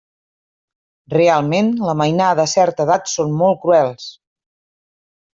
Realment la mainada a certa edat són molt cruels.